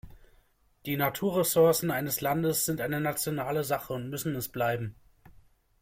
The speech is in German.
Die Naturressourcen eines Landes sind eine nationale Sache und müssen es bleiben.